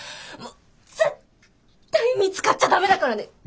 もう絶対見つかっちゃダメだからね。